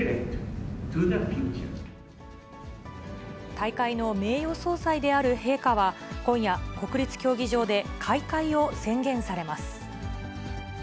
大会の名誉総裁である陛下は、今夜、国立競技場で開会を宣言されます。